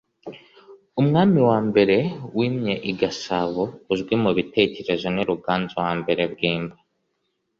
Umwami wa mbere wimye i Gasabo uzwi mu bitekerezo ni Ruganzu wa mbere Bwimba